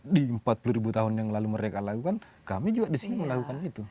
di empat puluh tahun yang lalu mereka lakukan kami juga di sini melakukan itu